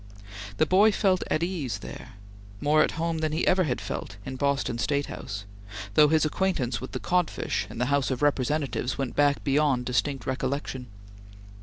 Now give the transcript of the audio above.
The boy felt at ease there, more at home than he had ever felt in Boston State House, though his acquaintance with the codfish in the House of Representatives went back beyond distinct recollection.